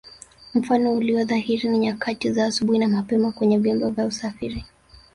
Mfano ulio dhahiri ni nyakati za asubuhi na mapema kwenye vyombo vya usafiri